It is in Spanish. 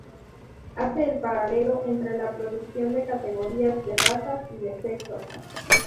Hace el paralelo entre la producción de categorías de razas y de sexos.